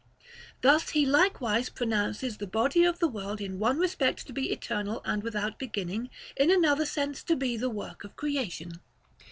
Thus he likewise pronounces the body of the world in one respect to be eternal and without beginning, in another sense to be the work of creation.